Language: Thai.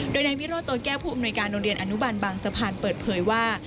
โดยนายวิโรธโตแก้วผู้อำนวยการโรงเรียนอนุบันบางสะพานเปิดเผยว่า